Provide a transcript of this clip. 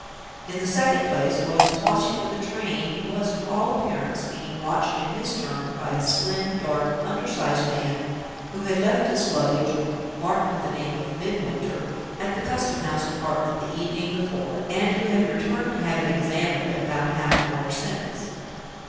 In the second place, while he was watching for the train, he was to all appearance being watched in his turn, by a slim, dark, undersized man, who had left his luggage (marked with the name of Midwinter) at the custom house department the evening before, and who had returned to have it examined about half an hour since.